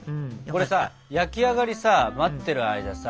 これさ焼き上がりさ待ってる間さ